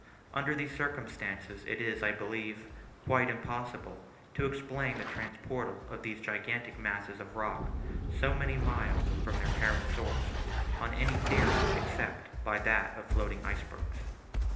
Under these circumstances it is, I believe, quite impossible to explain the transportal of these gigantic masses of rock so many miles from their parent source, on any theory except by that of floating icebergs.